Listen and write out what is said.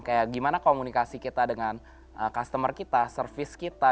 kayak gimana komunikasi kita dengan customer kita service kita